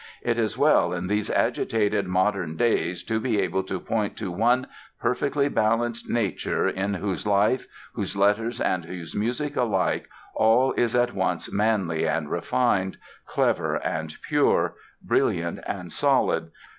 It is well in these agitated modern days to be able to point to one perfectly balanced nature in whose life, whose letters and whose music alike all is at once manly and refined, clever and pure, brilliant and solid.